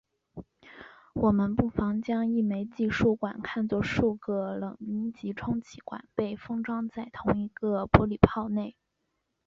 我们不妨将一枚计数管看作数个冷阴极充气管被封装在同一个玻璃泡内。